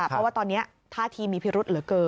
เพราะว่าตอนนี้ท่าทีมีพิรุษเหลือเกิน